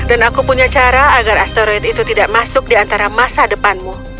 dan aku punya cara agar asteroid itu tidak masuk di antara masa depanmu